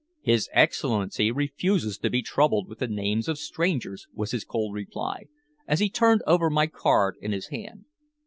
"His Excellency refuses to be troubled with the names of strangers," was his cold reply, as he turned over my card in his hand.